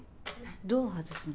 どう外すの？